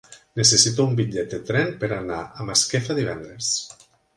Necessito un bitllet de tren per anar a Masquefa divendres.